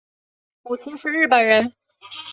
母亲是日本人。